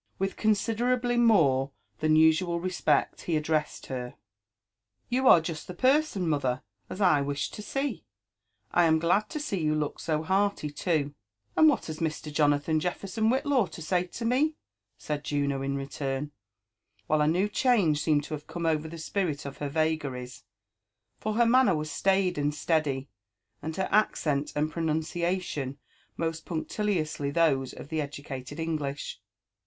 With considerably more tbaa osaal respect he addressed her ^YoQ are just the person, mother, as I wisi^ed to see. I am glad to see you look so hearty too." "And what has Mr. Jonathan Jefferson Whillaw to say to me?'' said Juno in return, while a new change seemed to have come over the spirit of her vagaries ; for her manner was staid and steady, and her accent and pronuneiation most punctiliously those of the educated English.